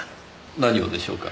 何をでしょうか？